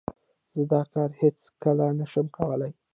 زه دا کار هیڅ کله نه شم کولای.